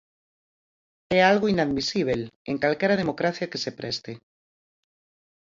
É algo inadmisíbel, en calquera democracia que se preste.